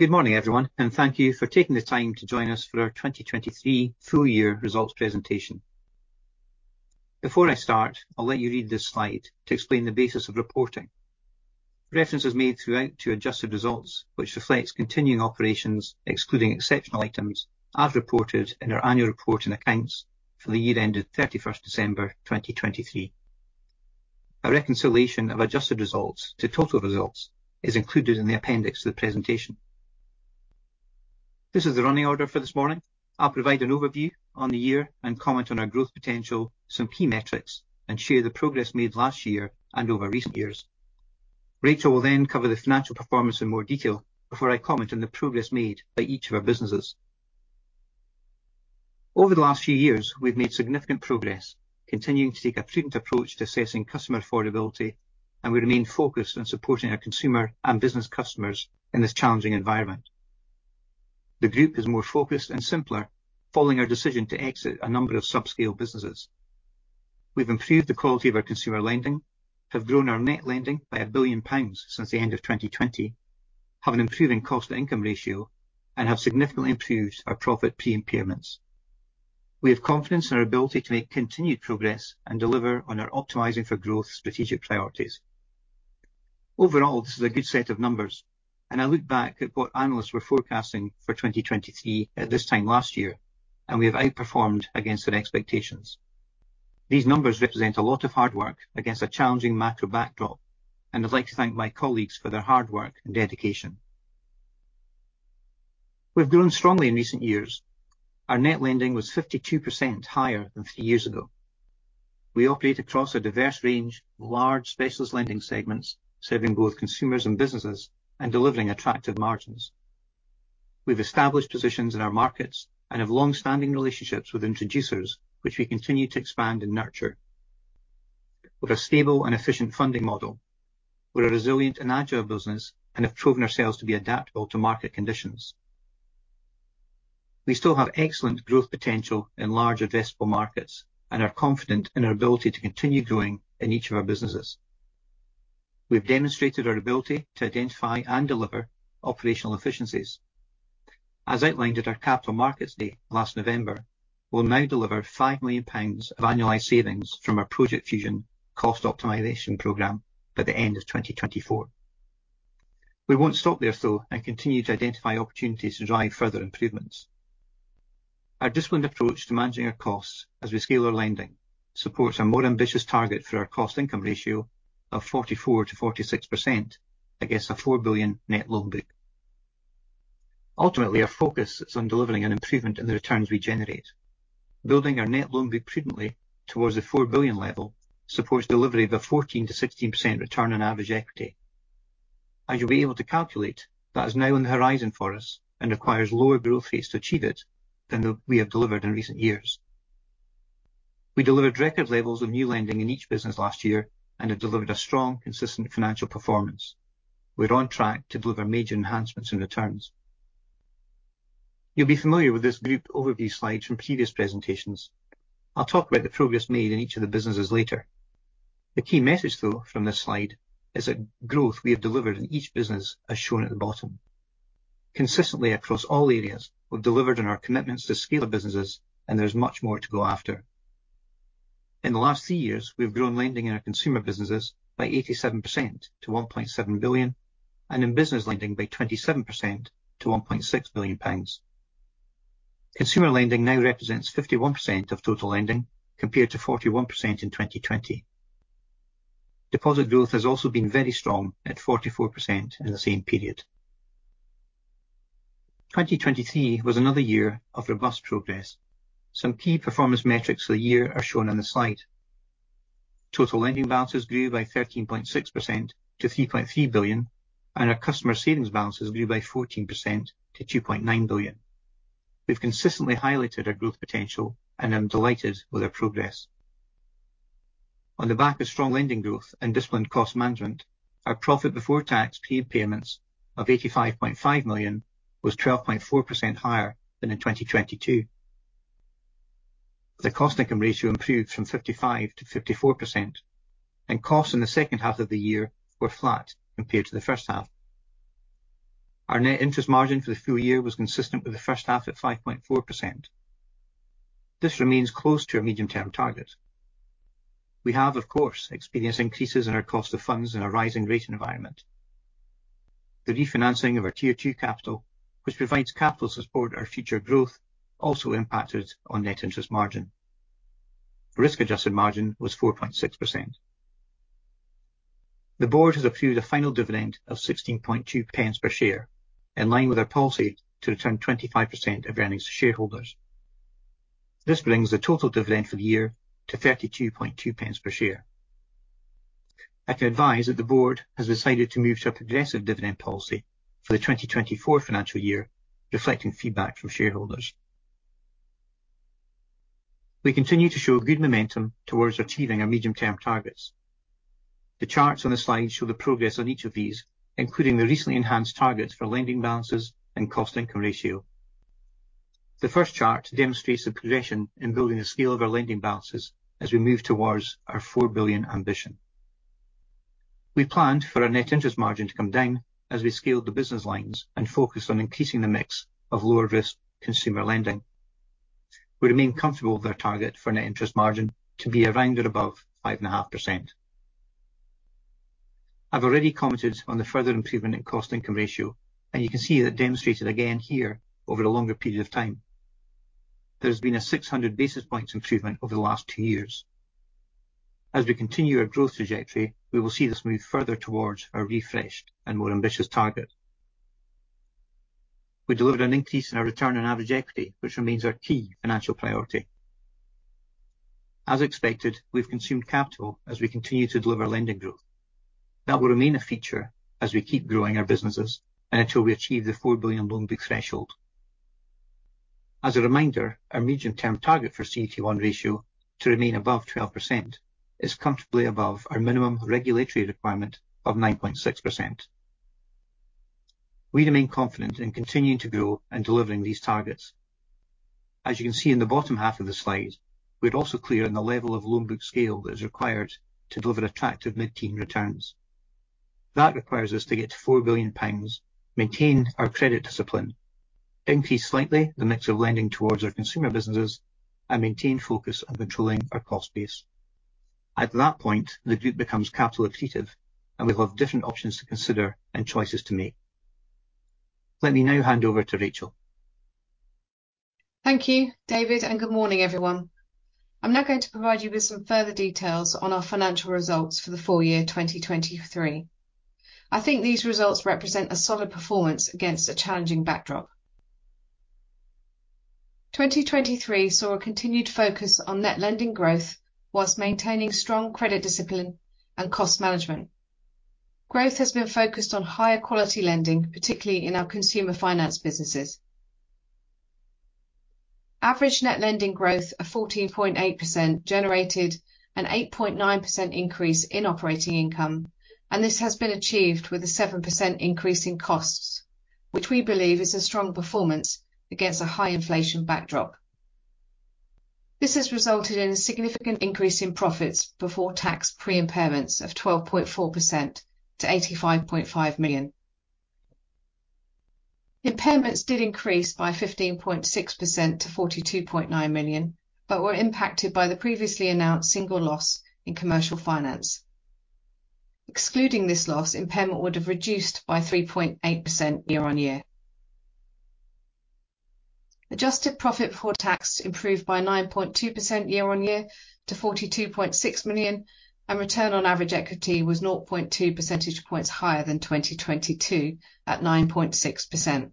Good morning, everyone, and thank you for taking the time to join us for our 2023 full-year results presentation. Before I start, I'll let you read this slide to explain the basis of reporting. Reference is made throughout to adjusted results, which reflects continuing operations excluding exceptional items as reported in our annual report and accounts for the year ended 31 December 2023. A reconciliation of adjusted results to total results is included in the appendix to the presentation. This is the running order for this morning. I'll provide an overview on the year and comment on our growth potential, some key metrics, and share the progress made last year and over recent years. Rachel will then cover the financial performance in more detail before I comment on the progress made by each of our businesses. Over the last few years, we've made significant progress, continuing to take a prudent approach to assessing customer affordability, and we remain focused on supporting our consumer and business customers in this challenging environment. The group is more focused and simpler, following our decision to exit a number of subscale businesses. We've improved the quality of our consumer lending, have grown our net lending by 1 billion pounds since the end of 2020, have an improving cost-to-income ratio, and have significantly improved our profit pre-impairments. We have confidence in our ability to make continued progress and deliver on our optimizing for growth strategic priorities. Overall, this is a good set of numbers, and I look back at what analysts were forecasting for 2023 at this time last year, and we have outperformed against their expectations. These numbers represent a lot of hard work against a challenging macro backdrop, and I'd like to thank my colleagues for their hard work and dedication. We've grown strongly in recent years. Our net lending was 52% higher than three years ago. We operate across a diverse range of large specialist lending segments, serving both consumers and businesses and delivering attractive margins. We've established positions in our markets and have longstanding relationships with introducers, which we continue to expand and nurture. We've a stable and efficient funding model. We're a resilient and agile business and have proven ourselves to be adaptable to market conditions. We still have excellent growth potential in large addressable markets and are confident in our ability to continue growing in each of our businesses. We've demonstrated our ability to identify and deliver operational efficiencies. As outlined at our Capital Markets Day last November, we'll now deliver 5 million pounds of annualized savings from our Project Fusion cost optimization program by the end of 2024. We won't stop there, though, and continue to identify opportunities to drive further improvements. Our disciplined approach to managing our costs as we scale our lending supports a more ambitious target for our cost-income ratio of 44%-46% against a 4 billion net loan book. Ultimately, our focus is on delivering an improvement in the returns we generate. Building our net loan book prudently towards the 4 billion level supports delivery of a 14%-16% return on average equity. As you'll be able to calculate, that is now on the horizon for us and requires lower growth rates to achieve it than we have delivered in recent years. We delivered record levels of new lending in each business last year and have delivered a strong, consistent financial performance. We're on track to deliver major enhancements in returns. You'll be familiar with this group overview slide from previous presentations. I'll talk about the progress made in each of the businesses later. The key message, though, from this slide is that growth we have delivered in each business as shown at the bottom. Consistently across all areas, we've delivered on our commitments to scale our businesses, and there's much more to go after. In the last three years, we've grown lending in our consumer businesses by 87% to 1.7 billion, and in business lending by 27% to 1.6 billion pounds. Consumer lending now represents 51% of total lending compared to 41% in 2020. Deposit growth has also been very strong at 44% in the same period. 2023 was another year of robust progress. Some key performance metrics for the year are shown on the slide. Total lending balances grew by 13.6% to 3.3 billion, and our customer savings balances grew by 14% to 2.9 billion. We've consistently highlighted our growth potential and am delighted with our progress. On the back of strong lending growth and disciplined cost management, our profit before tax pre-impairments of 85.5 million was 12.4% higher than in 2022. The cost-income ratio improved from 55% to 54%, and costs in the second half of the year were flat compared to the first half. Our net interest margin for the full year was consistent with the first half at 5.4%. This remains close to our medium-term target. We have, of course, experienced increases in our cost of funds in a rising rate environment. The refinancing of our Tier 2 capital, which provides capital support to our future growth, also impacted on net interest margin. Risk-adjusted margin was 4.6%. The board has approved a final dividend of 16.2 pence per share, in line with our policy to return 25% of earnings to shareholders. This brings the total dividend for the year to 32.2 pence per share. I can advise that the board has decided to move to a progressive dividend policy for the 2024 financial year, reflecting feedback from shareholders. We continue to show good momentum towards achieving our medium-term targets. The charts on the slide show the progress on each of these, including the recently enhanced targets for lending balances and cost-income ratio. The first chart demonstrates the progression in building the scale of our lending balances as we move towards our 4 billion ambition. We planned for our net interest margin to come down as we scaled the business lines and focused on increasing the mix of lower-risk consumer lending. We remain comfortable with our target for net interest margin to be around or above 5.5%. I've already commented on the further improvement in cost-income ratio, and you can see that demonstrated again here over a longer period of time. There has been a 600 basis points improvement over the last two years. As we continue our growth trajectory, we will see this move further towards our refreshed and more ambitious target. We delivered an increase in our return on average equity, which remains our key financial priority. As expected, we've consumed capital as we continue to deliver lending growth. That will remain a feature as we keep growing our businesses and until we achieve the 4 billion loan book threshold. As a reminder, our medium-term target for CET1 ratio to remain above 12% is comfortably above our minimum regulatory requirement of 9.6%. We remain confident in continuing to grow and delivering these targets. As you can see in the bottom half of the slide, we're also clear on the level of loan book scale that is required to deliver attractive mid-teens returns. That requires us to get to 4 billion pounds, maintain our credit discipline, increase slightly the mix of lending towards our consumer businesses, and maintain focus on controlling our cost base. At that point, the group becomes capital generative, and we'll have different options to consider and choices to make. Let me now hand over to Rachel. Thank you, David, and good morning, everyone. I'm now going to provide you with some further details on our financial results for the full year 2023. I think these results represent a solid performance against a challenging backdrop. 2023 saw a continued focus on net lending growth while maintaining strong credit discipline and cost management. Growth has been focused on higher quality lending, particularly in our Consumer Finance businesses. Average net lending growth of 14.8% generated an 8.9% increase in operating income, and this has been achieved with a 7% increase in costs, which we believe is a strong performance against a high inflation backdrop. This has resulted in a significant increase in profits before tax pre-impairments of 12.4% to 85.5 million. Impairments did increase by 15.6% to 42.9 million, but were impacted by the previously announced single loss in Commercial Finance. Excluding this loss, impairment would have reduced by 3.8% year-on-year. Adjusted profit before tax improved by 9.2% year-on-year to 42.6 million, and return on average equity was 0.2 percentage points higher than 2022 at 9.6%.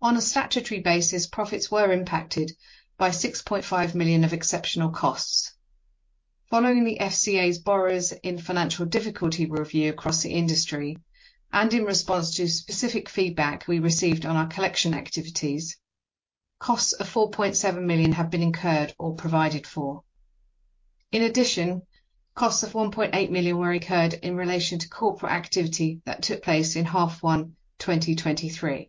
On a statutory basis, profits were impacted by 6.5 million of exceptional costs. Following the FCA's Borrowers in Financial Difficulty review across the industry, and in response to specific feedback we received on our collection activities, costs of 4.7 million have been incurred or provided for. In addition, costs of 1.8 million were incurred in relation to corporate activity that took place in half one 2023.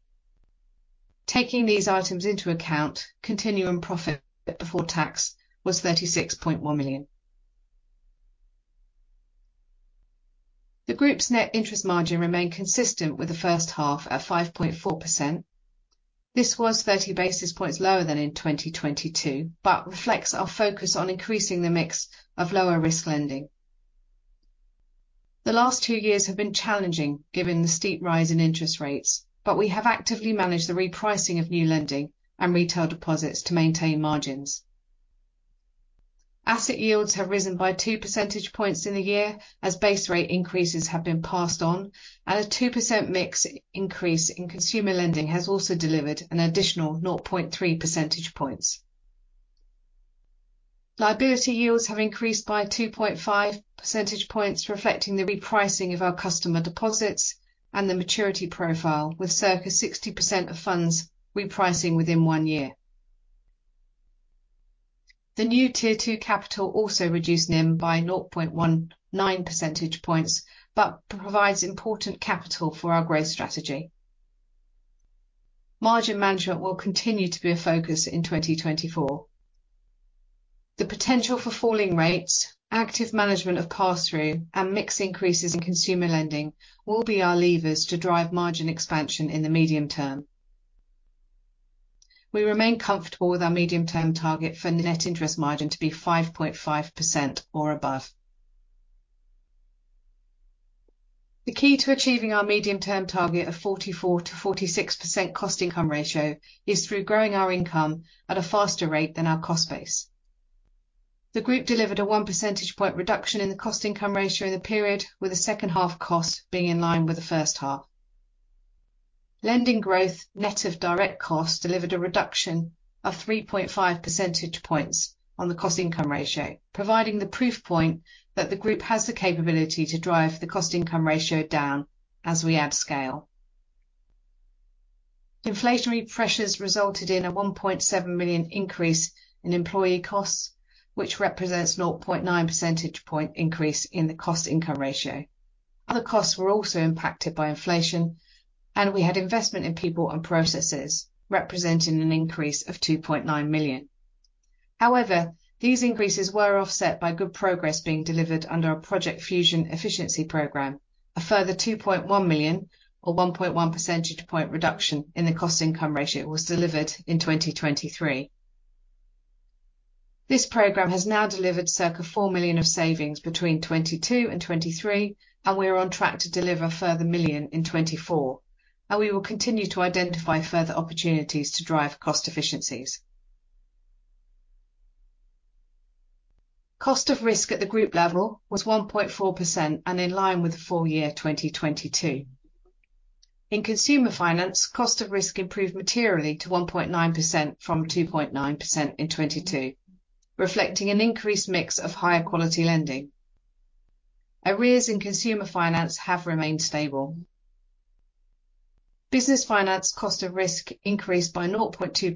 Taking these items into account, continuing profit before tax was 36.1 million. The group's net interest margin remained consistent with the first half at 5.4%. This was 30 basis points lower than in 2022, but reflects our focus on increasing the mix of lower-risk lending. The last two years have been challenging given the steep rise in interest rates, but we have actively managed the repricing of new lending and retail deposits to maintain margins. Asset yields have risen by 2 percentage points in the year as base rate increases have been passed on, and a 2% mix increase in consumer lending has also delivered an additional 0.3 percentage points. Liability yields have increased by 2.5 percentage points, reflecting the repricing of our customer deposits and the maturity profile, with circa 60% of funds repricing within one year. The new Tier 2 capital also reduced NIM by 0.19 percentage points, but provides important capital for our growth strategy. Margin management will continue to be a focus in 2024. The potential for falling rates, active management of pass-through, and mixed increases in consumer lending will be our levers to drive margin expansion in the medium term. We remain comfortable with our medium-term target for net interest margin to be 5.5% or above. The key to achieving our medium-term target of 44%-46% cost-income ratio is through growing our income at a faster rate than our cost base. The group delivered a 1 percentage point reduction in the cost-income ratio in the period, with the second half costs being in line with the first half. Lending growth net of direct costs delivered a reduction of 3.5 percentage points on the cost-income ratio, providing the proof point that the group has the capability to drive the cost-income ratio down as we add scale. Inflationary pressures resulted in a 1.7 million increase in employee costs, which represents a 0.9 percentage point increase in the cost-income ratio. Other costs were also impacted by inflation, and we had investment in people and processes, representing an increase of 2.9 million. However, these increases were offset by good progress being delivered under our Project Fusion efficiency program. A further 2.1 million, or 1.1 percentage point reduction, in the cost-to-income ratio was delivered in 2023. This program has now delivered circa 4 million of savings between 2022 and 2023, and we are on track to deliver a further 1 million in 2024, and we will continue to identify further opportunities to drive cost efficiencies. Cost of risk at the group level was 1.4% and in line with the full year 2022. In consumer finance, cost of risk improved materially to 1.9% from 2.9% in 2022, reflecting an increased mix of higher quality lending. Areas in consumer finance have remained stable. Business Finance cost of risk increased by 0.2% to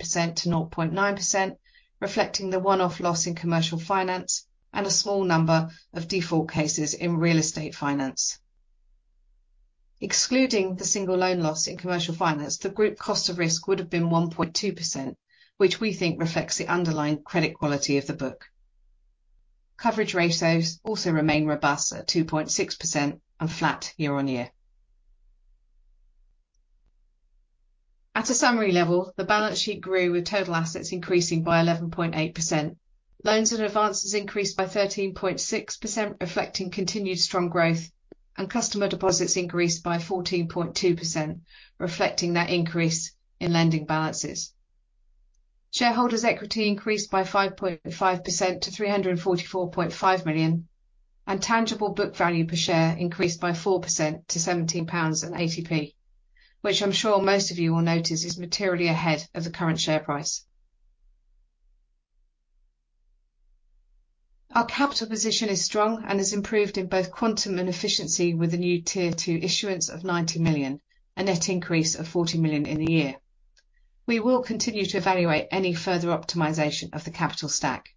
0.9%, reflecting the one-off loss in commercial finance and a small number of default cases in real estate finance. Excluding the single loan loss in Commercial Finance, the group cost of risk would have been 1.2%, which we think reflects the underlying credit quality of the book. Coverage ratios also remain robust at 2.6% and flat year-on-year. At a summary level, the balance sheet grew, with total assets increasing by 11.8%, loans and advances increased by 13.6%, reflecting continued strong growth, and customer deposits increased by 14.2%, reflecting that increase in lending balances. Shareholders' equity increased by 5.5% to 344.5 million, and tangible book value per share increased by 4% to 17.80 pounds, which I'm sure most of you will notice is materially ahead of the current share price. Our capital position is strong and has improved in both quantum and efficiency with a new Tier 2 issuance of 90 million, a net increase of 40 million in the year. We will continue to evaluate any further optimization of the capital stack.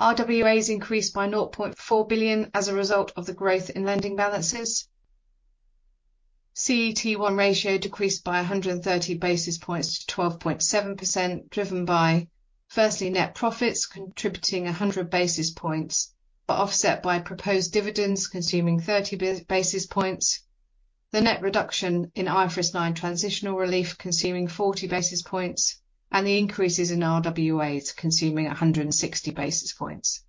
RWAs increased by 0.4 billion as a result of the growth in lending balances. CET1 ratio decreased by 130 basis points to 12.7%, driven by, firstly, net profits contributing 100 basis points, but offset by proposed dividends consuming 30 basis points, the net reduction in IFRS 9 transitional relief consuming 40 basis points, and the increases in RWAs consuming 160 basis points.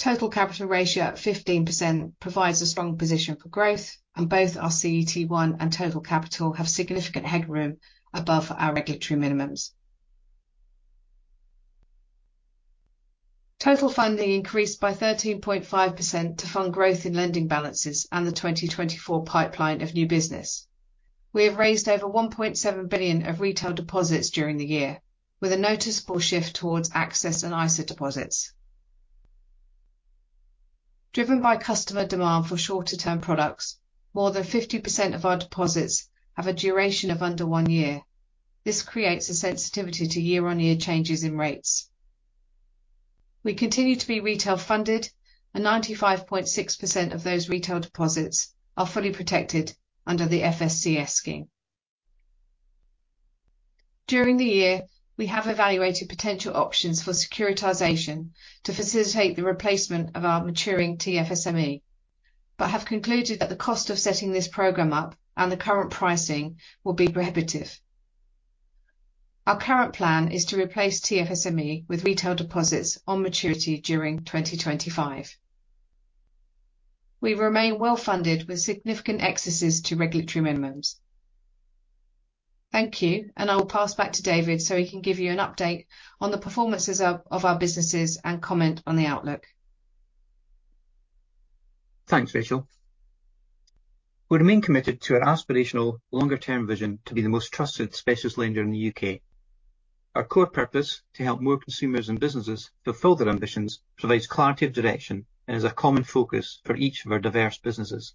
Total capital ratio at 15% provides a strong position for growth, and both our CET1 and total capital have significant headroom above our regulatory minimums. Total funding increased by 13.5% to fund growth in lending balances and the 2024 pipeline of new business. We have raised over 1.7 billion of retail deposits during the year, with a noticeable shift towards Access and ISA deposits. Driven by customer demand for shorter-term products, more than 50% of our deposits have a duration of under one year. This creates a sensitivity to year-on-year changes in rates. We continue to be retail funded, and 95.6% of those retail deposits are fully protected under the FSCS scheme. During the year, we have evaluated potential options for securitization to facilitate the replacement of our maturing TFSME, but have concluded that the cost of setting this program up and the current pricing will be prohibitive. Our current plan is to replace TFSME with retail deposits on maturity during 2025. We remain well-funded with significant excesses to regulatory minimums. Thank you, and I will pass back to David so he can give you an update on the performances of our businesses and comment on the outlook. Thanks, Rachel. We remain committed to our aspirational longer-term vision to be the most trusted specialist lender in the U.K. Our core purpose, to help more consumers and businesses fulfill their ambitions, provides clarity of direction and is a common focus for each of our diverse businesses.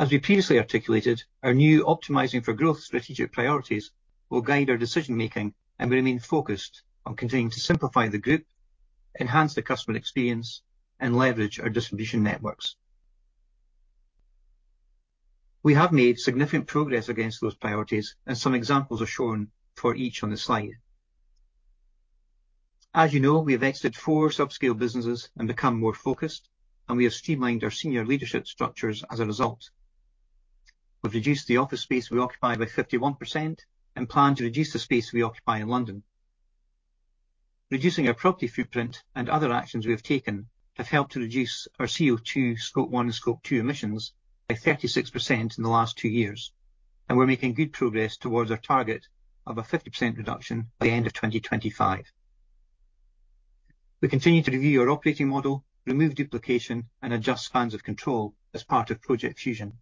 As we previously articulated, our new optimizing for growth strategic priorities will guide our decision-making, and we remain focused on continuing to simplify the group, enhance the customer experience, and leverage our distribution networks. We have made significant progress against those priorities, and some examples are shown for each on the slide. As you know, we have exited four subscale businesses and become more focused, and we have streamlined our senior leadership structures as a result. We've reduced the office space we occupy by 51% and plan to reduce the space we occupy in London. Reducing our property footprint and other actions we have taken have helped to reduce our CO2 Scope 1 and Scope 2 emissions by 36% in the last two years, and we're making good progress towards our target of a 50% reduction by the end of 2025. We continue to review our operating model, remove duplication, and adjust funds of control as part of Project Fusion.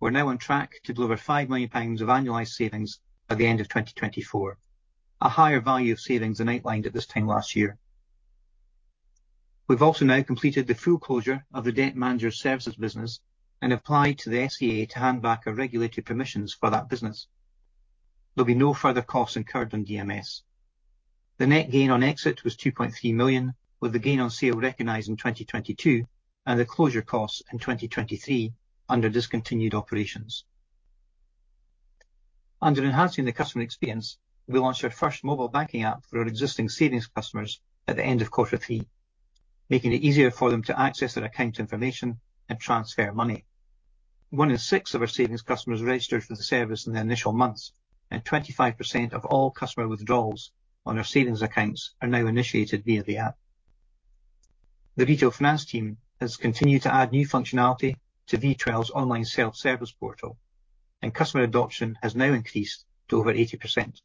We're now on track to deliver 5 million pounds of annualized savings by the end of 2024, a higher value of savings than outlined at this time last year. We've also now completed the full closure of the Debt Managers Services business and applied to the FCA to hand back our regulatory permissions for that business. There'll be no further costs incurred on DMS. The net gain on exit was 2.3 million, with the gain on sale recognised in 2022 and the closure costs in 2023 under discontinued operations. Under enhancing the customer experience, we'll launch our first mobile banking app for our existing savings customers at the end of quarter three, making it easier for them to access their account information and transfer money. One in six of our savings customers registered for the service in the initial months, and 25% of all customer withdrawals on our savings accounts are now initiated via the app. The Retail Finance team has continued to add new functionality to V12's online self-service portal, and customer adoption has now increased to over 80%.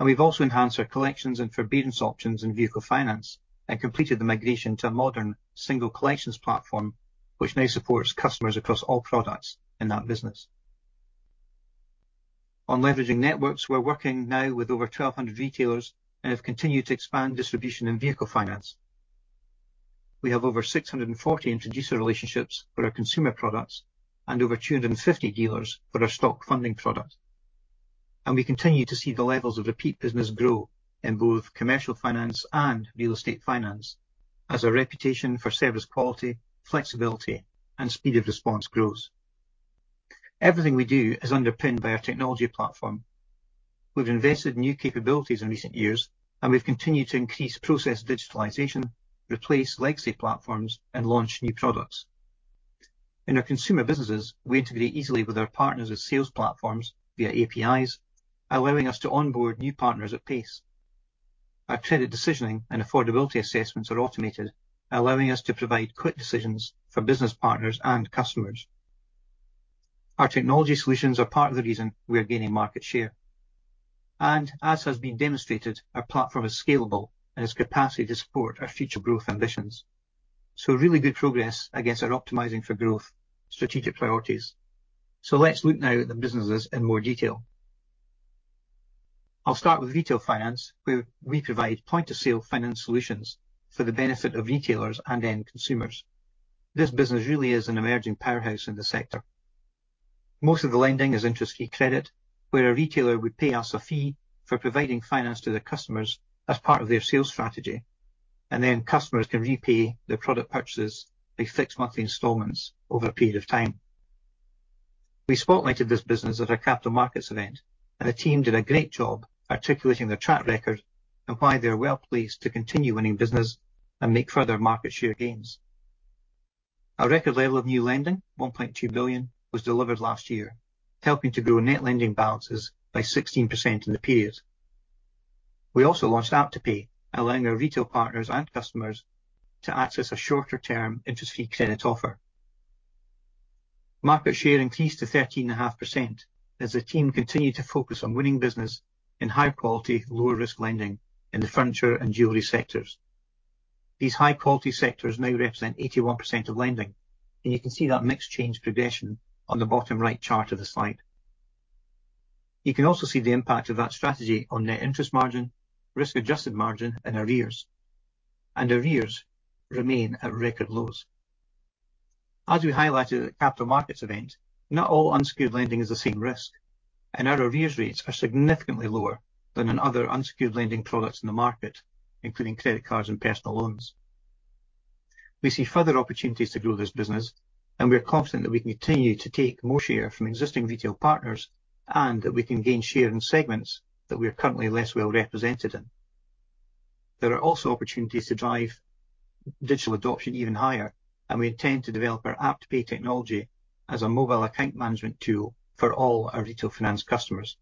We've also enhanced our collections and forbearance options in Vehicle Finance and completed the migration to a modern single collections platform, which now supports customers across all products in that business. On leveraging networks, we're working now with over 1,200 retailers and have continued to expand distribution in vehicle finance. We have over 640 introducer relationships for our consumer products and over 250 dealers for our stock funding product. We continue to see the levels of repeat business grow in both commercial finance and real estate finance, as our reputation for service quality, flexibility, and speed of response grows. Everything we do is underpinned by our technology platform. We've invested new capabilities in recent years, and we've continued to increase process digitalization, replace legacy platforms, and launch new products. In our consumer businesses, we integrate easily with our partners' sales platforms via APIs, allowing us to onboard new partners at pace. Our credit decisioning and affordability assessments are automated, allowing us to provide quick decisions for business partners and customers. Our technology solutions are part of the reason we are gaining market share. As has been demonstrated, our platform is scalable and has capacity to support our future growth ambitions. Really good progress against our optimizing for growth strategic priorities. Let's look now at the businesses in more detail. I'll start with retail finance, where we provide point-of-sale finance solutions for the benefit of retailers and then consumers. This business really is an emerging powerhouse in the sector. Most of the lending is interest-free credit, where a retailer would pay us a fee for providing finance to their customers as part of their sales strategy, and then customers can repay their product purchases by fixed monthly installments over a period of time. We spotlighted this business at our Capital Markets event, and the team did a great job articulating their track record and why they are well placed to continue winning business and make further market share gains. Our record level of new lending, 1.2 billion, was delivered last year, helping to grow net lending balances by 16% in the period. We also launched AppToPay, allowing our retail partners and customers to access a shorter-term interest-free credit offer. Market share increased to 13.5% as the team continued to focus on winning business in high quality, lower-risk lending in the furniture and jewellery sectors. These high quality sectors now represent 81% of lending, and you can see that mixed change progression on the bottom right chart of the slide. You can also see the impact of that strategy on net interest margin, risk-adjusted margin, and arrears. Arrears remain at record lows. As we highlighted at the Capital Markets event, not all unsecured lending is the same risk, and our arrears rates are significantly lower than in other unsecured lending products in the market, including credit cards and personal loans. We see further opportunities to grow this business, and we are confident that we can continue to take more share from existing retail partners and that we can gain share in segments that we are currently less well represented in. There are also opportunities to drive digital adoption even higher, and we intend to develop our AppToPay technology as a mobile account management tool for all our retail finance customers.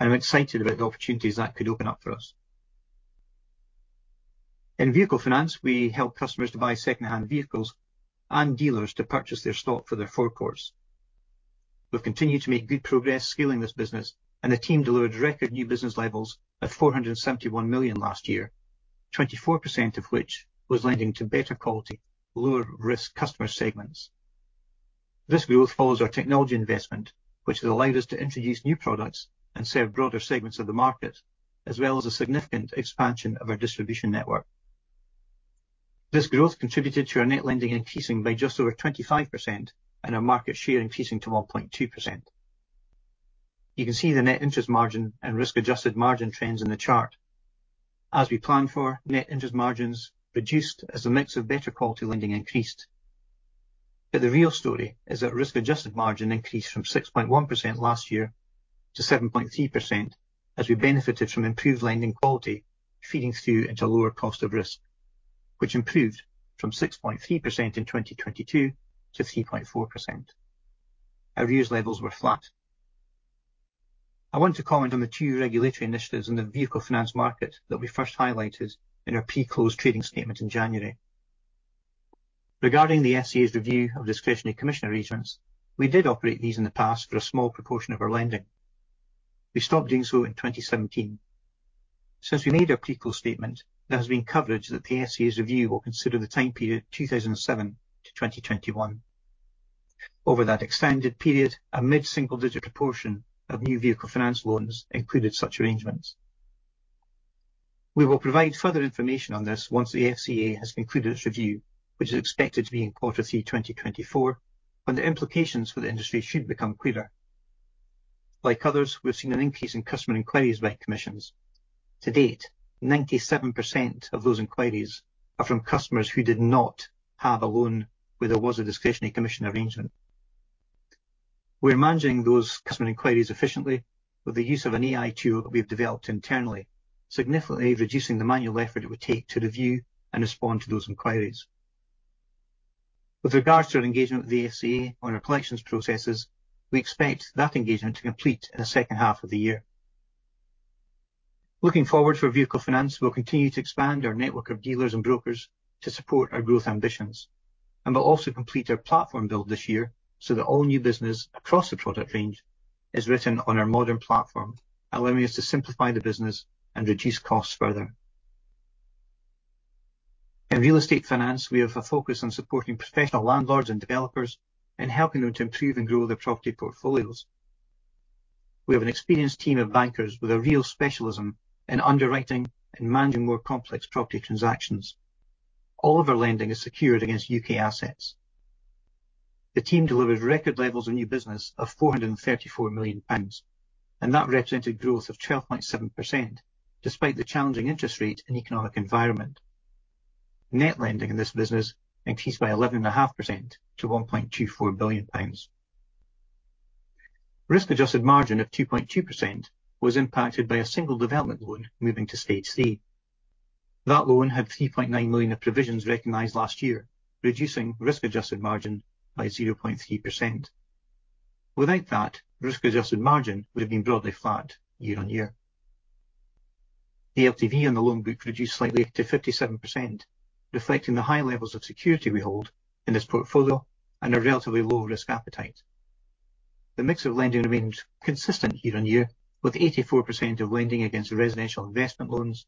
I'm excited about the opportunities that could open up for us. In vehicle finance, we help customers to buy secondhand vehicles and dealers to purchase their stock for their forecourt. We've continued to make good progress scaling this business, and the team delivered record new business levels of 471 million last year, 24% of which was lending to better quality, lower-risk customer segments. This growth follows our technology investment, which has allowed us to introduce new products and serve broader segments of the market, as well as a significant expansion of our distribution network. This growth contributed to our net lending increasing by just over 25% and our market share increasing to 1.2%. You can see the net interest margin and risk-adjusted margin trends in the chart. As we planned for, net interest margins reduced as the mix of better quality lending increased. But the real story is that risk-adjusted margin increased from 6.1% last year to 7.3% as we benefited from improved lending quality feeding through into lower cost of risk, which improved from 6.3% in 2022 to 3.4%. Arrears levels were flat. I want to comment on the two regulatory initiatives in the vehicle finance market that we first highlighted in our pre-close trading statement in January. Regarding the FCA's review of discretionary commission arrangements, we did operate these in the past for a small proportion of our lending. We stopped doing so in 2017. Since we made our pre-close statement, there has been coverage that the FCA's review will consider the time period 2007 to 2021. Over that extended period, a mid-single digit proportion of new vehicle finance loans included such arrangements. We will provide further information on this once the FCA has concluded its review, which is expected to be in quarter three 2024, when the implications for the industry should become clearer. Like others, we've seen an increase in customer inquiries about commissions. To date, 97% of those inquiries are from customers who did not have a loan where there was a discretionary commission arrangement. We're managing those customer inquiries efficiently with the use of an AI tool that we've developed internally, significantly reducing the manual effort it would take to review and respond to those inquiries. With regards to our engagement with the FCA on our collections processes, we expect that engagement to complete in the second half of the year. Looking forward for vehicle finance, we'll continue to expand our network of dealers and brokers to support our growth ambitions. We'll also complete our platform build this year so that all new business across the product range is written on our modern platform, allowing us to simplify the business and reduce costs further. In Real Estate Finance, we have a focus on supporting professional landlords and developers and helping them to improve and grow their property portfolios. We have an experienced team of bankers with a real specialism in underwriting and managing more complex property transactions. All of our lending is secured against U.K. assets. The team delivered record levels of new business of 434 million pounds, and that represented growth of 12.7% despite the challenging interest rate and economic environment. Net lending in this business increased by 11.5% to GBP 1.24 billion. Risk-adjusted margin of 2.2% was impacted by a single development loan moving to stage three. That loan had 3.9 million of provisions recognised last year, reducing risk-adjusted margin by 0.3%. Without that, risk-adjusted margin would have been broadly flat year-on-year. The LTV on the loan book reduced slightly to 57%, reflecting the high levels of security we hold in this portfolio and our relatively low risk appetite. The mix of lending remained consistent year on year, with 84% of lending against residential investment loans,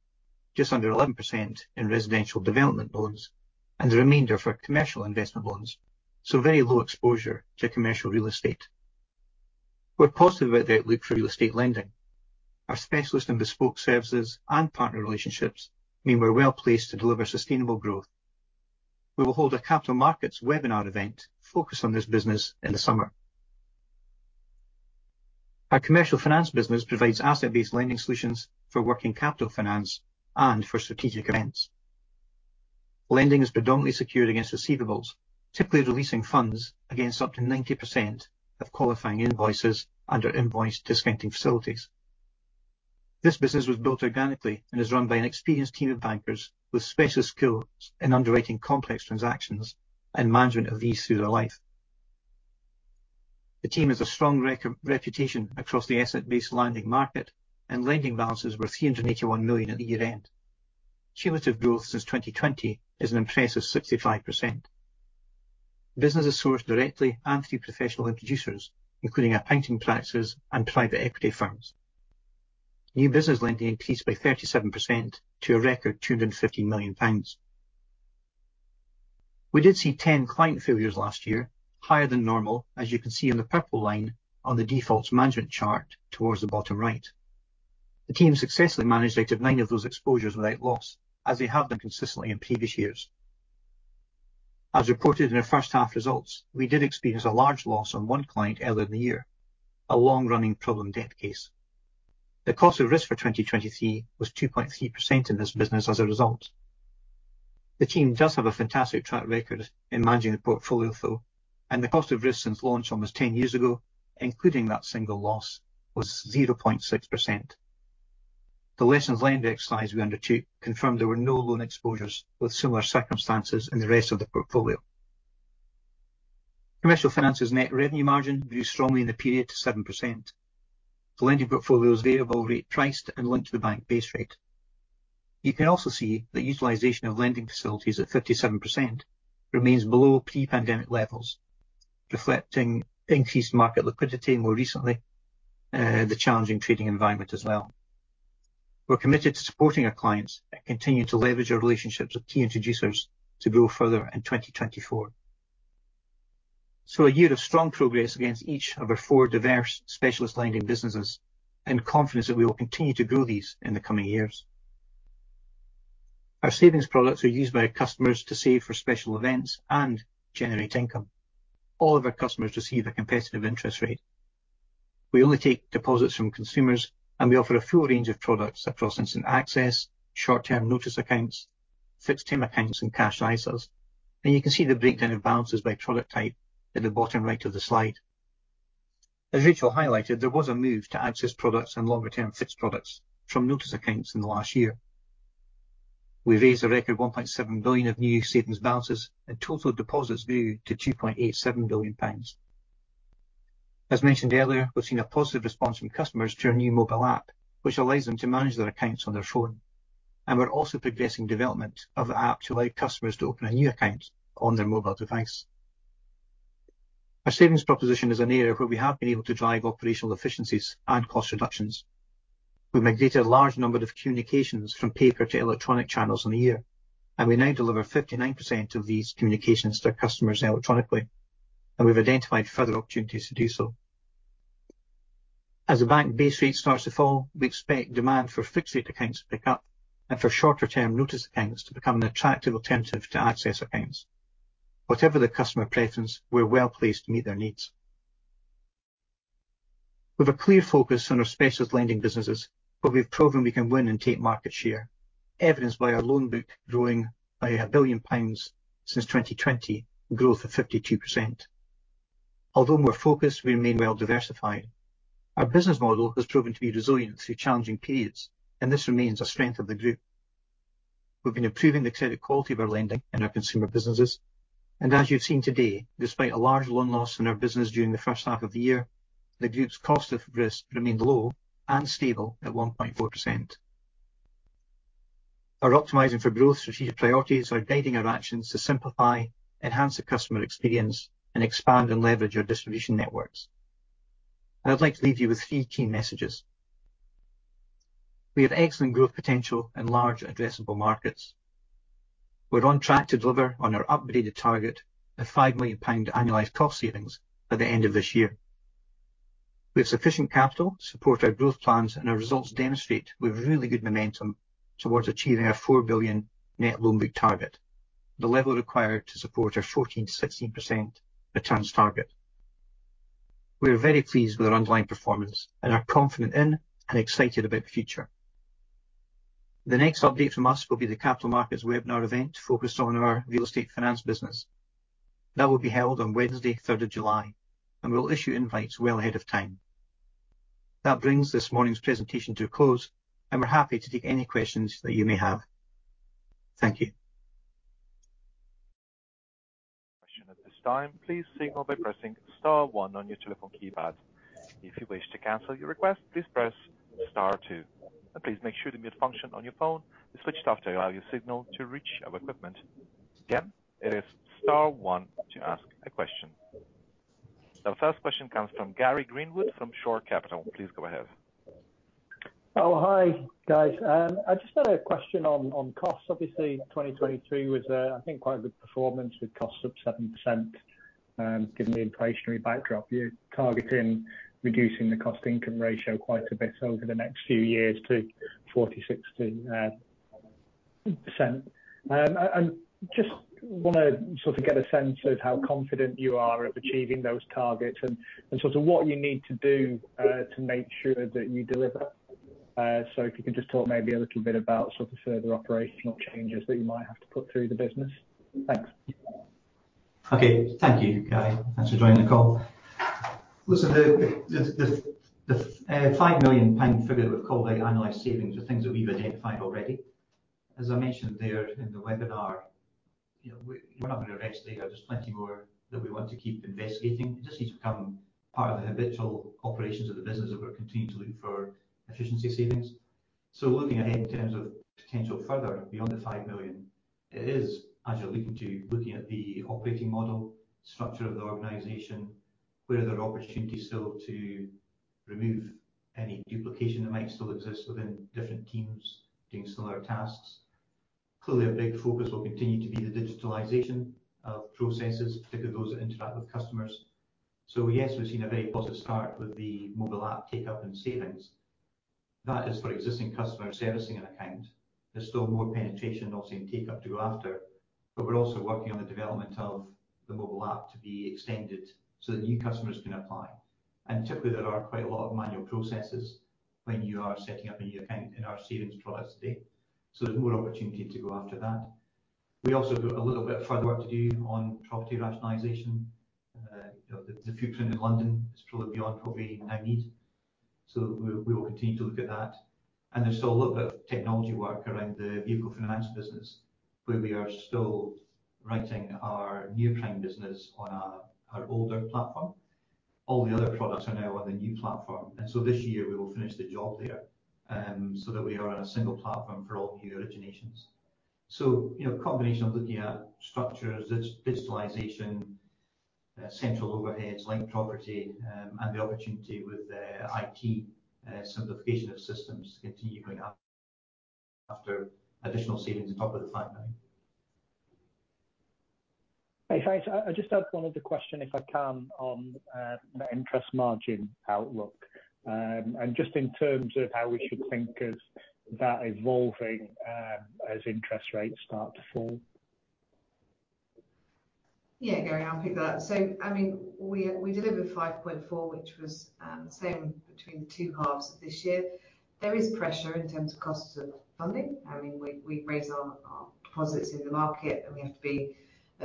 just under 11% in residential development loans, and the remainder for commercial investment loans, so very low exposure to commercial real estate. We're positive about the outlook for real estate lending. Our specialist in bespoke services and partner relationships mean we're well placed to deliver sustainable growth. We will hold a Capital Markets webinar event focused on this business in the summer. Our commercial finance business provides asset-based lending solutions for working capital finance and for strategic events. Lending is predominantly secured against receivables, typically releasing funds against up to 90% of qualifying invoices under invoice discounting facilities. This business was built organically and is run by an experienced team of bankers with specialist skills in underwriting complex transactions and management of these through their life. The team has a strong reputation across the asset-based lending market, and lending balances were 381 million at the year-end. Cumulative growth since 2020 is an impressive 65%. Business is sourced directly and through professional introducers, including our accounting practices and private equity firms. New business lending increased by 37% to a record 250 million pounds. We did see 10 client failures last year, higher than normal, as you can see in the purple line on the defaults management chart towards the bottom right. The team successfully managed out of nine of those exposures without loss, as they have done consistently in previous years. As reported in our first half results, we did experience a large loss on one client earlier in the year, a long-running problem debt case. The cost of risk for 2023 was 2.3% in this business as a result. The team does have a fantastic track record in managing the portfolio, though, and the cost of risk since launch almost 10 years ago, including that single loss, was 0.6%. The lessons learned exercise we undertook confirmed there were no loan exposures with similar circumstances in the rest of the portfolio. Commercial Finance's net revenue margin grew strongly in the period to 7%. The lending portfolio's variable rate priced and linked to the Bank base rate. You can also see that utilization of lending facilities at 57% remains below pre-pandemic levels, reflecting increased market liquidity and more recently the challenging trading environment as well. We're committed to supporting our clients and continue to leverage our relationships with key introducers to grow further in 2024. So a year of strong progress against each of our four diverse specialist lending businesses and confidence that we will continue to grow these in the coming years. Our savings products are used by our customers to save for special events and generate income. All of our customers receive a competitive interest rate. We only take deposits from consumers, and we offer a full range of products across instant access, short-term notice accounts, fixed term accounts, and Cash ISAs. And you can see the breakdown of balances by product type at the bottom right of the slide. As Rachel highlighted, there was a move to access products and longer-term fixed products from notice accounts in the last year. We raised a record 1.7 billion of new savings balances, and total deposits grew to 2.87 billion pounds. As mentioned earlier, we've seen a positive response from customers to our new mobile app, which allows them to manage their accounts on their phone. We're also progressing development of the app to allow customers to open a new account on their mobile device. Our savings proposition is an area where we have been able to drive operational efficiencies and cost reductions. We migrated a large number of communications from paper to electronic channels in a year, and we now deliver 59% of these communications to our customers electronically. We've identified further opportunities to do so. As the bank base rate starts to fall, we expect demand for fixed rate accounts to pick up and for shorter-term notice accounts to become an attractive alternative to Access accounts. Whatever the customer preference, we're well placed to meet their needs. We have a clear focus on our specialist lending businesses, but we've proven we can win and take market share, evidenced by our loan book growing by 1 billion pounds since 2020, growth of 52%. Although more focused, we remain well diversified. Our business model has proven to be resilient through challenging periods, and this remains a strength of the group. We've been improving the credit quality of our lending in our consumer businesses. As you've seen today, despite a large loan loss in our business during the first half of the year, the group's cost of risk remained low and stable at 1.4%. Our optimizing for growth strategic priorities are guiding our actions to simplify, enhance the customer experience, and expand and leverage our distribution networks. I'd like to leave you with three key messages. We have excellent growth potential in large addressable markets. We're on track to deliver, on our upgraded target, a 5 million pound annualized cost savings by the end of this year. We have sufficient capital to support our growth plans, and our results demonstrate we have really good momentum towards achieving our 4 billion net loan book target, the level required to support our 14%-16% returns target. We are very pleased with our underlying performance and are confident in and excited about the future. The next update from us will be the Capital Markets webinar event focused on our real estate finance business. That will be held on Wednesday, 3rd July, and we'll issue invites well ahead of time. That brings this morning's presentation to a close, and we're happy to take any questions that you may have. Thank you. Questions at this time. Please signal by pressing star one on your telephone keypad. If you wish to cancel your request, please press star two. Please make sure the mute function on your phone is switched off to allow your signal to reach our equipment. Again, it is star one to ask a question. Now, the first question comes from Gary Greenwood from Shore Capital. Please go ahead. Oh, hi, guys. I just had a question on costs. Obviously, 2023 was, I think, quite a good performance with costs up 7%, given the inflationary backdrop. You're targeting reducing the cost-to-income ratio quite a bit over the next few years to 40% to 60%. And I just want to sort of get a sense of how confident you are of achieving those targets and sort of what you need to do to make sure that you deliver. So if you can just talk maybe a little bit about sort of further operational changes that you might have to put through the business. Thanks. Okay. Thank you, Gary. Thanks for joining the call. Listen, the 5 million pound figure we've called our annualized savings are things that we've identified already. As I mentioned there in the webinar, we're not going to rest there. There's plenty more that we want to keep investigating. It just needs to become part of the habitual operations of the business that we're continuing to look for efficiency savings. So looking ahead in terms of potential further beyond the 5 million, it is, as you're looking to, looking at the operating model, structure of the organization, where there are opportunities still to remove any duplication that might still exist within different teams doing similar tasks. Clearly, a big focus will continue to be the digitalization of processes, particularly those that interact with customers. So yes, we've seen a very positive start with the mobile app take-up and savings. That is for existing customer servicing an account. There's still more penetration, not saying take-up, to go after. We're also working on the development of the mobile app to be extended so that new customers can apply. Typically, there are quite a lot of manual processes when you are setting up a new account in our savings products today. There's more opportunity to go after that. We also have a little bit further work to do on property rationalization. The footprint in London is probably beyond what we now need. We will continue to look at that. There's still a little bit of technology work around the vehicle finance business, where we are still writing our new prime business on our older platform. All the other products are now on the new platform. And so this year, we will finish the job there so that we are on a single platform for all new originations. So a combination of looking at structures, digitalization, central overheads like property, and the opportunity with IT simplification of systems to continue going after additional savings on top of the fact now. Hey, thanks. I just had one other question, if I can, on the interest margin outlook and just in terms of how we should think of that evolving as interest rates start to fall. Yeah, Gary, I'll pick that up. So I mean, we delivered 5.4, which was the same between the two halves of this year. There is pressure in terms of costs of funding. I mean, we raise our deposits in the market, and we have to be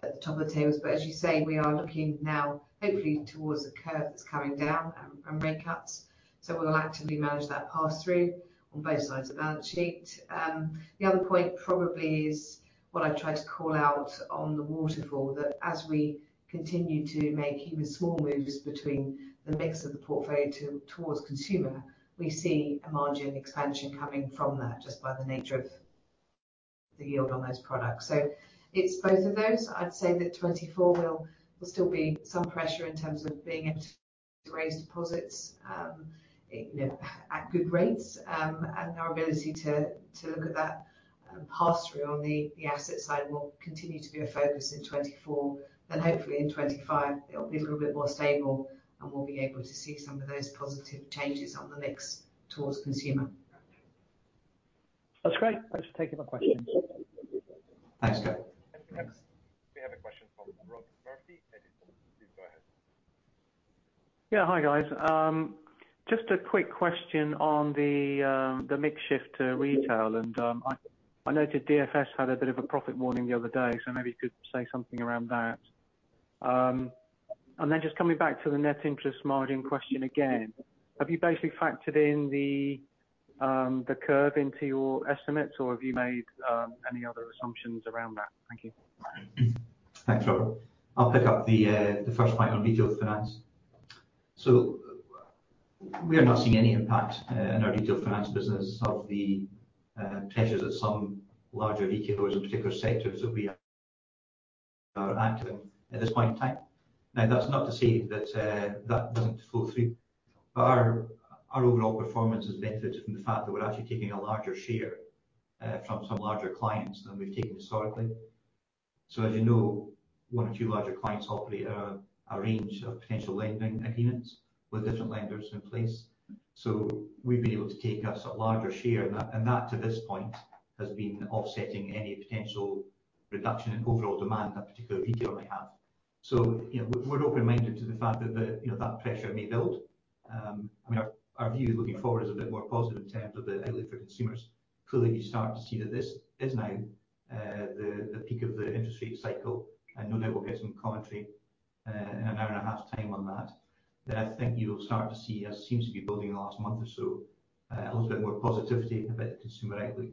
at the top of the tables. But as you say, we are looking now, hopefully, towards a curve that's coming down and rate cuts. So we'll actively manage that pass-through on both sides of the balance sheet. The other point probably is what I tried to call out on the waterfall, that as we continue to make even small moves between the mix of the portfolio towards consumer, we see a margin expansion coming from that just by the nature of the yield on those products. So it's both of those. I'd say that 2024 will still be some pressure in terms of being able to raise deposits at good rates. Our ability to look at that pass-through on the asset side will continue to be a focus in 2024. Then hopefully, in 2025, it'll be a little bit more stable, and we'll be able to see some of those positive changes on the mix towards consumer. That's great. Thanks for taking my question. Thanks, Gary. Thank you, Nick. We have a question from Rob Murphy, Edison. Please go ahead. Yeah, hi, guys. Just a quick question on the mix shift to retail. And I noted DFS had a bit of a profit warning the other day, so maybe you could say something around that. And then just coming back to the net interest margin question again, have you basically factored in the curve into your estimates, or have you made any other assumptions around that? Thank you. Thanks, Robert. I'll pick up the first point on retail finance. So we are not seeing any impact in our retail finance business of the pressures that some larger retailers in particular sectors that we are active in at this point in time. Now, that's not to say that that doesn't fall through. But our overall performance has benefited from the fact that we're actually taking a larger share from some larger clients than we've taken historically. So as you know, one or two larger clients operate a range of potential lending agreements with different lenders in place. So we've been able to take a larger share, and that to this point has been offsetting any potential reduction in overall demand that particular retailer might have. So we're open-minded to the fact that that pressure may build. I mean, our view looking forward is a bit more positive in terms of the outlook for consumers. Clearly, you start to see that this is now the peak of the interest rate cycle, and no doubt we'll get some commentary in an hour and a half's time on that. Then I think you'll start to see, as seems to be building in the last month or so, a little bit more positivity about the consumer outlook.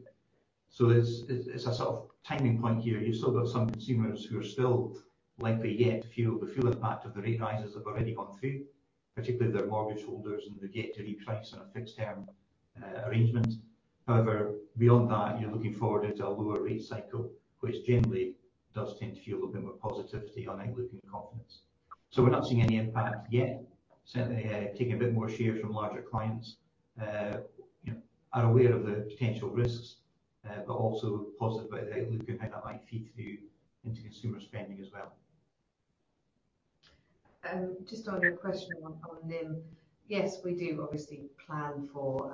So it's a sort of timing point here. You've still got some consumers who are still likely yet to feel the full impact of the rate rises that have already gone through, particularly if they're mortgage holders and they've yet to reprice on a fixed term arrangement. However, beyond that, you're looking forward into a lower rate cycle, which generally does tend to feel a little bit more positivity on outlook and confidence. So we're not seeing any impact yet, certainly taking a bit more share from larger clients. Are aware of the potential risks, but also positive about the outlook and how that might feed through into consumer spending as well. Just on your question on NIM, yes, we do obviously plan for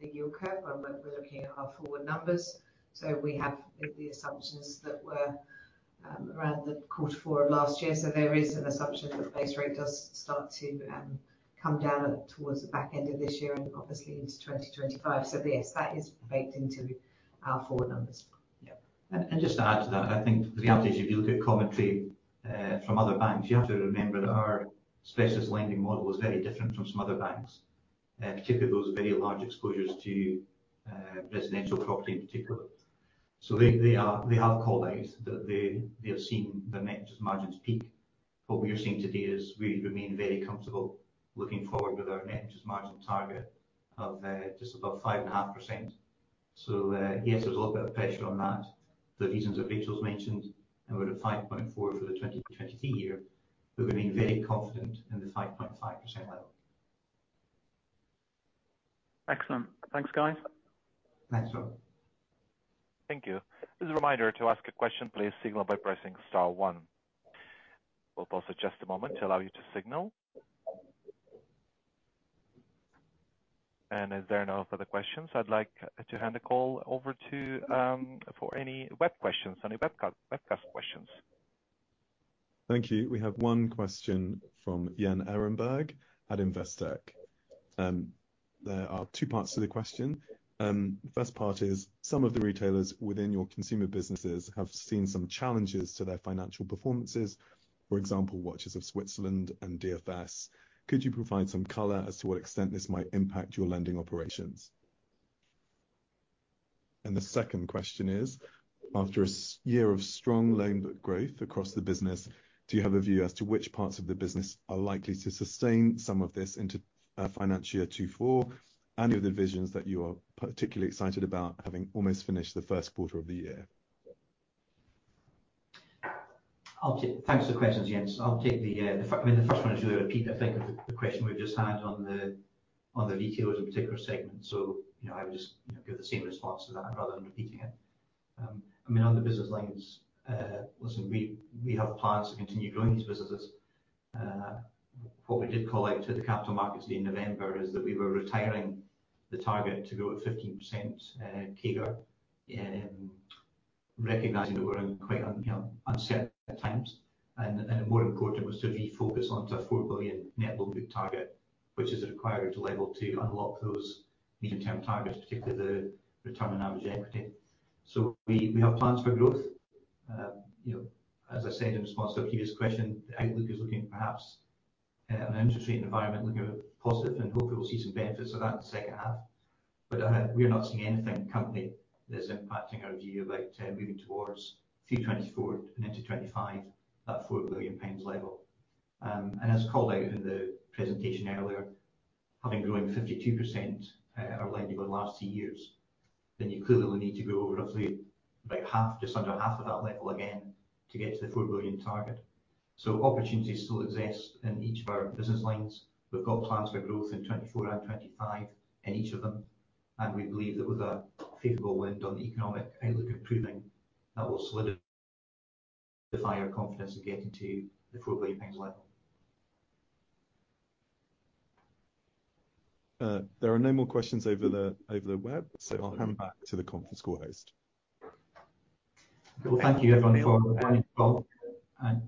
the yield curve. We're looking at our forward numbers. So we have the assumptions that were around the quarter four of last year. So there is an assumption that the base rate does start to come down towards the back end of this year and obviously into 2025. So yes, that is baked into our forward numbers. Yeah. And just to add to that, I think the advantage, if you look at commentary from other banks, you have to remember that our specialist lending model is very different from some other banks, particularly those with very large exposures to residential property in particular. So they have called out that they have seen their net interest margins peak. What we are seeing today is we remain very comfortable looking forward with our net interest margin target of just above 5.5%. So yes, there's a little bit of pressure on that. The reasons that Rachel's mentioned, and we're at 5.4% for the 2023 year, we remain very confident in the 5.5% level. Excellent. Thanks, guys. Thanks, Rob. Thank you. As a reminder, to ask a question, please signal by pressing star one. We'll pause for just a moment to allow you to signal. Is there no further questions? I'd like to hand the call over for any webcast questions. Thank you. We have one question from Ian Gordon at Investec. There are two parts to the question. The first part is, some of the retailers within your consumer businesses have seen some challenges to their financial performances. For example, Watches of Switzerland and DFS. Could you provide some color as to what extent this might impact your lending operations? And the second question is, after a year of strong loan book growth across the business, do you have a view as to which parts of the business are likely to sustain some of this into financial year 2024? Any of the divisions that you are particularly excited about having almost finished the first quarter of the year? Thanks for the questions, Ian. So I'll take the, I mean, the first one is really a repeat. I think of the question we've just had on the retailers in particular segments. So I would just give the same response to that rather than repeating it. I mean, on the business lines, listen, we have plans to continue growing these businesses. What we did call out to the capital markets there in November is that we were retiring the target to grow at 15% CAGR, recognizing that we're in quite uncertain times. And more important was to refocus onto a 4 billion net loan book target, which is required to be able to unlock those medium-term targets, particularly the return on average equity. So we have plans for growth. As I said in response to a previous question, the outlook is looking perhaps on an interest rate environment looking a bit positive, and hopefully, we'll see some benefits of that in the second half. But we are not seeing anything currently that is impacting our view about moving towards through 2024 and into 2025, that 4 billion pounds level. And as called out in the presentation earlier, having grown 52% our lending over the last 2 years, then you clearly will need to grow roughly about half, just under half of that level again to get to the 4 billion target. So opportunities still exist in each of our business lines. We've got plans for growth in 2024 and 2025 in each of them. And we believe that with a favorable wind on the economic outlook improving, that will solidify our confidence in getting to the GBP 4 billion level. There are no more questions over the web, so I'll hand back to the conference call host. Well, thank you, everyone, for joining the call and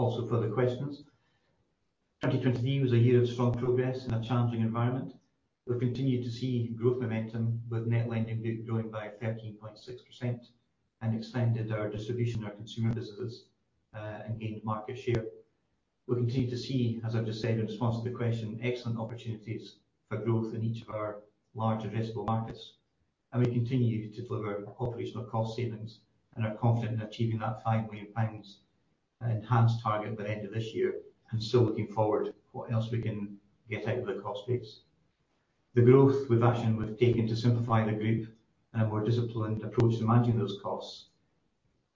also for the questions. 2023 was a year of strong progress in a challenging environment. We've continued to see growth momentum with net lending growing by 13.6% and extended our distribution in our consumer businesses and gained market share. We continue to see, as I've just said in response to the question, excellent opportunities for growth in each of our large addressable markets. We continue to deliver operational cost savings, and we're confident in achieving that 5 million pounds enhanced target by the end of this year. Still looking forward to what else we can get out of the cost base. The growth with action we've taken to simplify the group and a more disciplined approach to managing those costs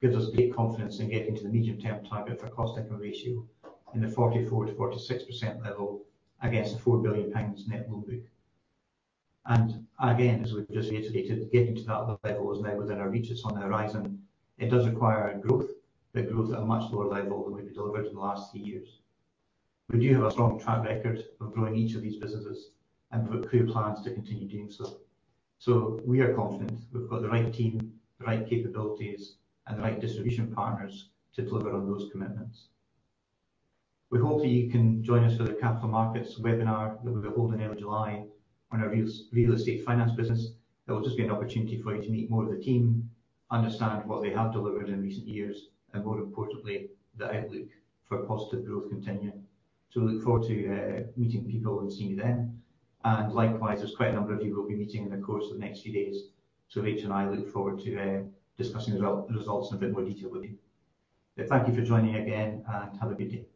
gives us great confidence in getting to the medium-term target for cost-income ratio in the 44%-46% level against the 4 billion pounds net loan book. And again, as we've just reiterated, getting to that level is now within our reach. It's on the horizon. It does require growth, but growth at a much lower level than we've delivered in the last three years. We do have a strong track record of growing each of these businesses and have a clear plan to continue doing so. So we are confident we've got the right team, the right capabilities, and the right distribution partners to deliver on those commitments. We hope that you can join us for the Capital Markets webinar that we'll be holding in early July on our real estate finance business. That will just be an opportunity for you to meet more of the team, understand what they have delivered in recent years, and more importantly, the outlook for positive growth continuing. We look forward to meeting people and seeing you then. Likewise, there's quite a number of you we'll be meeting in the course of the next few days. Rachel and I look forward to discussing the results in a bit more detail with you. Thank you for joining again, and have a good day.